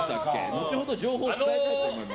後ほど情報を伝えたいと思います。